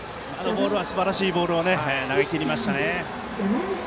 すばらしいボールを投げ切りましたね。